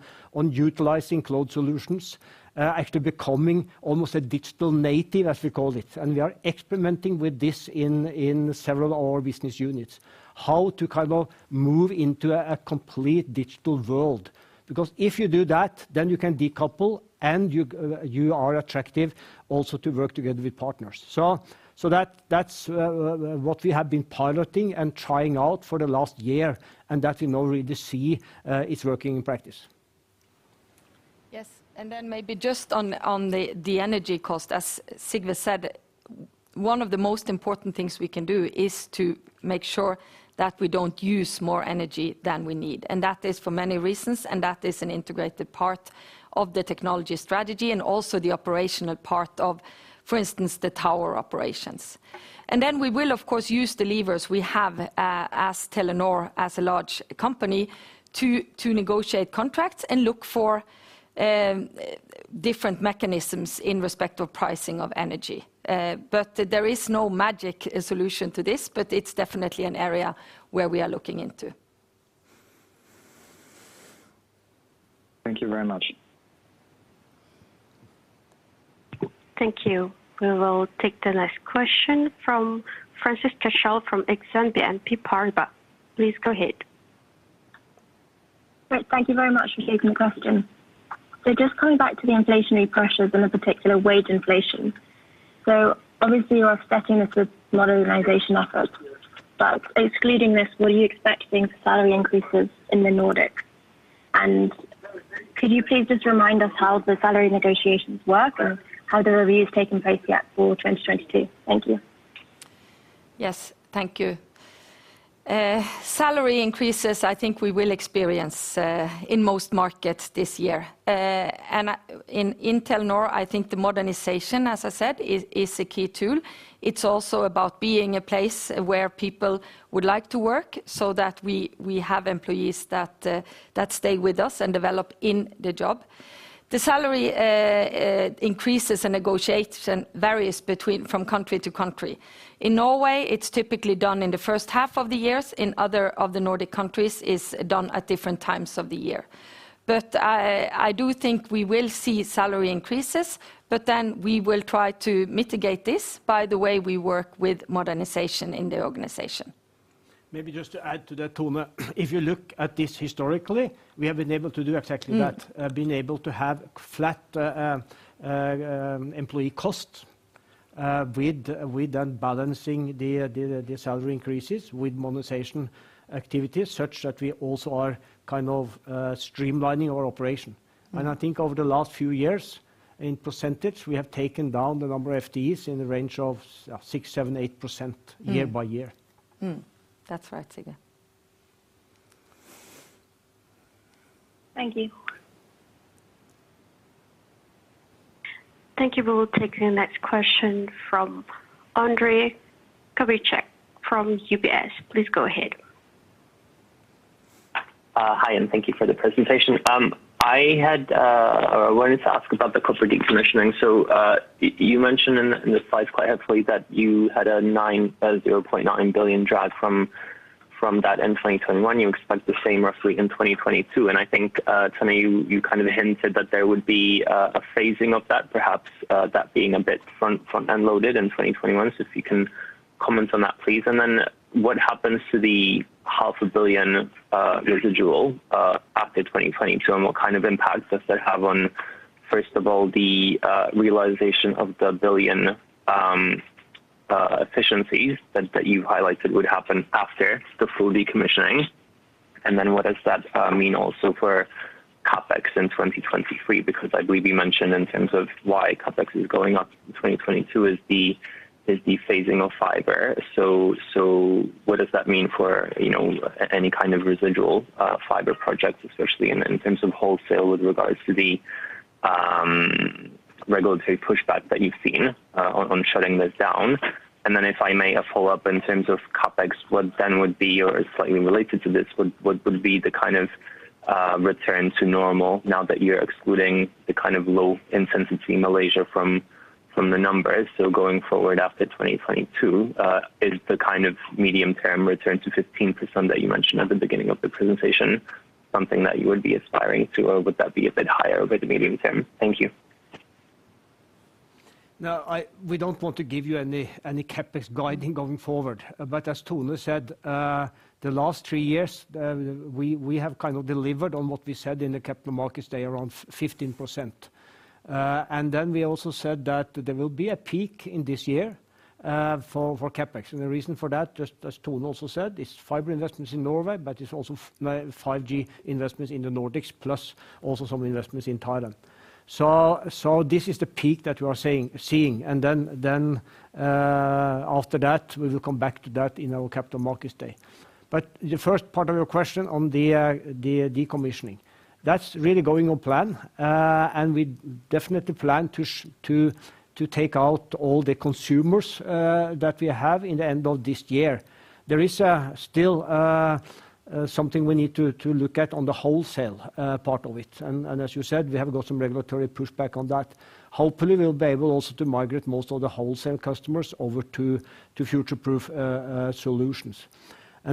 utilizing cloud solutions, actually becoming almost a digital native, as we call it. We are experimenting with this in several of our business units, how to kind of move into a complete digital world. Because if you do that, then you can decouple, and you are attractive also to work together with partners. That's what we have been piloting and trying out for the last year, and that we now really see is working in practice. Yes. Maybe just on the energy cost. As Sigve said, one of the most important things we can do is to make sure that we don't use more energy than we need. That is for many reasons, and that is an integrated part of the technology strategy and also the operational part of, for instance, the tower operations. We will of course use the levers we have as Telenor, as a large company to negotiate contracts and look for different mechanisms in respect of pricing of energy. But there is no magic solution to this, but it's definitely an area where we are looking into. Thank you very much. Thank you. We will take the next question from Francesca Schild from Exane BNP Paribas. Please go ahead. Great. Thank you very much for taking the question. Just coming back to the inflationary pressures and in particular wage inflation. Obviously you're offsetting this with modernization efforts, but excluding this, were you expecting salary increases in the Nordics? Could you please just remind us how the salary negotiations work and how the review is taking place yet for 2022? Thank you. Yes. Thank you. Salary increases, I think we will experience in most markets this year. In Telenor, I think the modernization, as I said, is a key tool. It's also about being a place where people would like to work so that we have employees that stay with us and develop in the job. The salary increases and negotiation varies from country to country. In Norway, it's typically done in the first half of the years. In other of the Nordic countries, it's done at different times of the year. I do think we will see salary increases, but then we will try to mitigate this by the way we work with modernization in the organization. Maybe just to add to that, Tone. If you look at this historically, we have been able to do exactly that. Mm. We've been able to have flat employee costs with that balancing the salary increases with modernization activities such that we also are kind of streamlining our operation. Mm. I think over the last few years, in percentage, we have taken down the number of FTEs in the range of 6%-8% year by year. That's right, Sigve. Thank you. Thank you. We will take the next question from Ondrej Cabejšek from UBS. Please go ahead. Hi, thank you for the presentation. I had wanted to ask about the copper decommissioning. You mentioned in the slides quite helpfully that you had a 0.9 billion drag from that in 2021. You expect the same roughly in 2022. I think, Tone, you kind of hinted that there would be a phasing of that, perhaps, that being a bit front-end loaded in 2021. If you can comment on that, please. Then what happens to the half a billion NOK residual after 2022, and what kind of impacts does that have on, first of all, the realization of the 1 billion efficiencies that you've highlighted would happen after the full decommissioning? Then what does that mean also for CapEx in 2023? Because I believe you mentioned in terms of why CapEx is going up in 2022 is the phasing of fiber. What does that mean for any kind of residual fiber projects, especially in terms of wholesale with regards to the regulatory pushback that you've seen on shutting this down? If I may follow up in terms of CapEx, what then would be or is slightly related to this, what would be the kind of return to normal now that you're excluding the kind of low intensity Malaysia from the numbers? Going forward after 2022, is the kind of medium term return to 15% that you mentioned at the beginning of the presentation something that you would be aspiring to, or would that be a bit higher over the medium term? Thank you. No, we don't want to give you any CapEx guidance going forward. As Tone said, the last three years, we have kind of delivered on what we said in the Capital Markets Day around 15%. Then we also said that there will be a peak in this year for CapEx. The reason for that, just as Tone also said, is fiber investments in Norway, but it's also 5G investments in the Nordics plus also some investments in Thailand. This is the peak that we are seeing. Then, after that, we will come back to that in our Capital Markets Day. The first part of your question on the decommissioning, that's really going on plan. We definitely plan to take out all the consumers that we have in the end of this year. There is still something we need to look at on the wholesale part of it. As you said, we have got some regulatory pushback on that. Hopefully, we'll be able also to migrate most of the wholesale customers over to future-proof solutions. You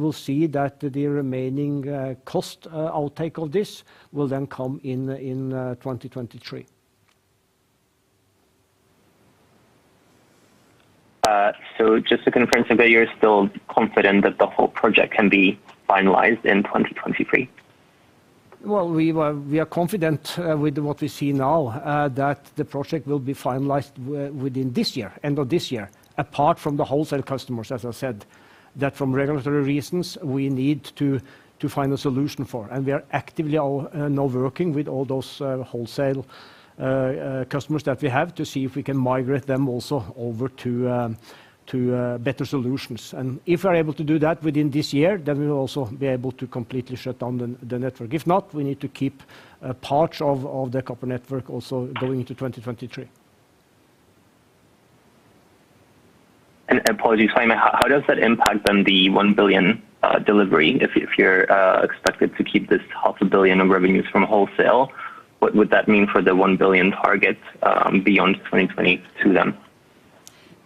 will see that the remaining cost outtake of this will then come in in 2023. Just to confirm, Sigve, you're still confident that the whole project can be finalized in 2023? Well, we are confident with what we see now that the project will be finalized within this year, end of this year, apart from the wholesale customers, as I said, that from regulatory reasons we need to find a solution for. We are actively all now working with all those wholesale customers that we have to see if we can migrate them also over to better solutions. If we're able to do that within this year, then we will also be able to completely shut down the network. If not, we need to keep parts of the copper network also going into 2023. Apologies, Tone. How does that impact on the 1 billion delivery if you're expected to keep this half a billion NOK of revenues from wholesale, what would that mean for the 1 billion target beyond 2022 then?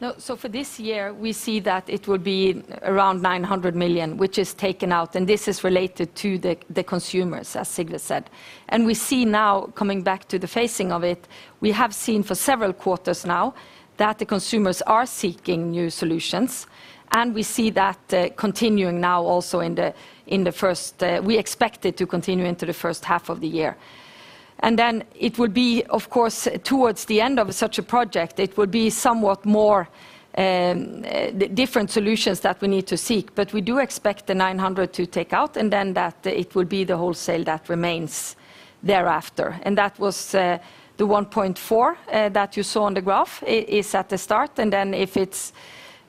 No. For this year, we see that it will be around 900 million, which is taken out, and this is related to the consumers, as Sigve said. We see now coming back to the phasing of it. We have seen for several quarters now that the consumers are seeking new solutions, and we see that continuing now also into the first half of the year. Then it would be of course, towards the end of such a project, it would be somewhat more difficult solutions that we need to seek, but we do expect the 900 to take out, and then that it would be the wholesale that remains thereafter. That was the 1.4 billion that you saw on the graph is at the start, and then if it's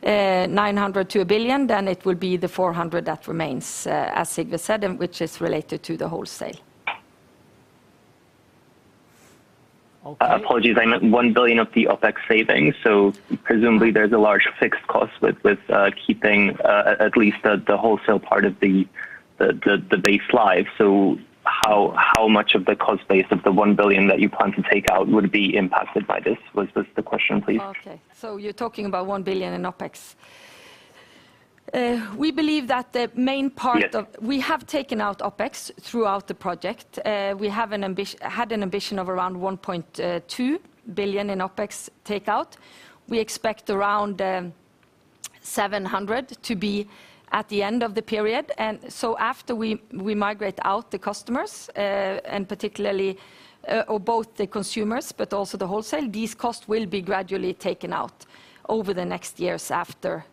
900 million to 1 billion, then it would be the 400 million that remains, as Sigve said, and which is related to the wholesale. Okay. Apologies. I meant 1 billion of the OpEx savings. Presumably there's a large fixed cost with keeping at least the wholesale part of the base live. How much of the cost base of the 1 billion that you plan to take out would be impacted by this? Was this the question, please? Okay. You're talking about 1 billion in OpEx. We believe that the main part of- Yes. We have taken out OpEx throughout the project. We have had an ambition of around 1.2 billion in OpEx takeout. We expect around 700 million to be at the end of the period. After we migrate out the customers, and particularly or both the consumers but also the wholesale, these costs will be gradually taken out over the next years after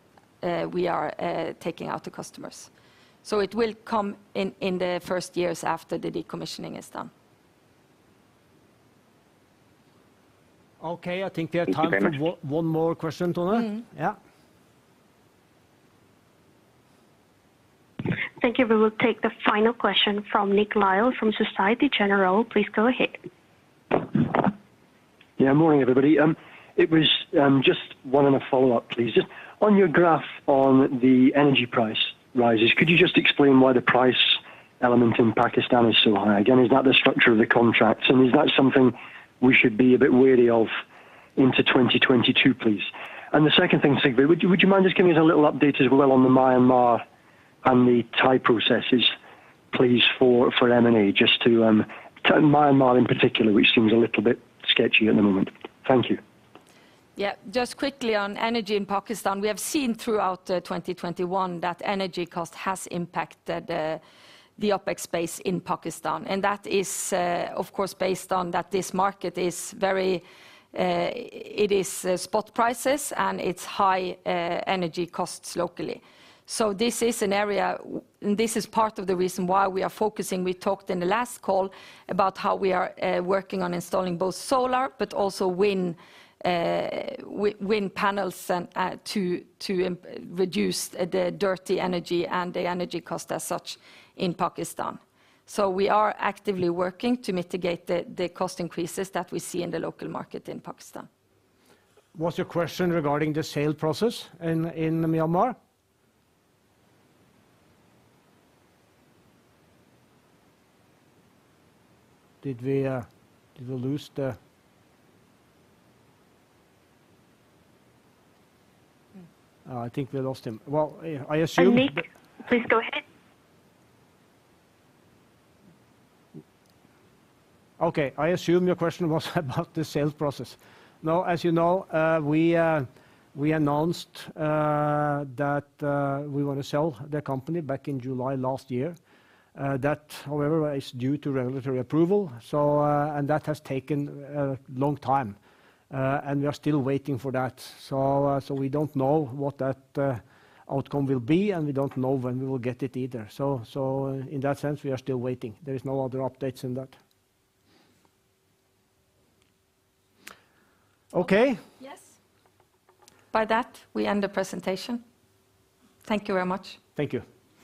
we are taking out the customers. It will come in the first years after the decommissioning is done. Okay. I think we have time. Thank you very much. For one more question, Tone. Mm-hmm. Yeah. Thank you. We will take the final question from Nick Lyall from Société Générale. Please go ahead. Yeah. Morning, everybody. It was just one on a follow-up, please. Just on your graph on the energy price rises, could you just explain why the price element in Pakistan is so high? Again, is that the structure of the contracts, and is that something we should be a bit wary of into 2022, please? The second thing, Sigve, would you mind just giving us a little update as well on the Myanmar and the Thai processes, please, for M&A, just to Myanmar in particular, which seems a little bit sketchy at the moment. Thank you. Yeah. Just quickly on energy in Pakistan, we have seen throughout 2021 that energy cost has impacted the OpEx base in Pakistan, and that is, of course, based on that this market is very spot prices and it's high energy costs locally. This is an area. This is part of the reason why we are focusing. We talked in the last call about how we are working on installing both solar but also wind panels and to reduce the dirty energy and the energy cost as such in Pakistan. We are actively working to mitigate the cost increases that we see in the local market in Pakistan. Was your question regarding the sale process in Myanmar? Oh, I think we lost him. Well, I assume. Nick, please go ahead. Okay. I assume your question was about the sales process. No, as you know, we announced that we want to sell the company back in July last year. That, however, is due to regulatory approval, and that has taken a long time, and we are still waiting for that. We don't know what that outcome will be, and we don't know when we will get it either. In that sense, we are still waiting. There is no other updates in that. Okay. Yes. By that, we end the presentation. Thank you very much. Thank you.